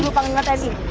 menjadi panglima tni